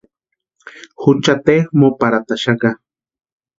Jucha teja móparhataxaka.